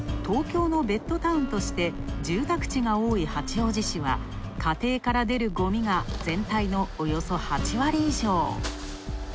東京のベッドタウンとして住宅地が多い八王子市は家庭から出るごみが全体のおよそ８割以上。